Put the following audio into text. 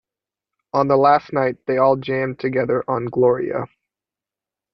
On the last night they all jammed together on "Gloria".